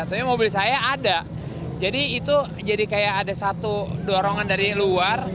tapi mobil saya ada jadi itu jadi kayak ada satu dorongan dari luar